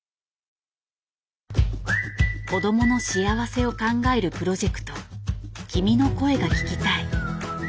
子どもの幸せを考えるプロジェクト「君の声が聴きたい」。